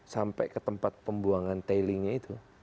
sampai ke tempat pembuangan tailingnya itu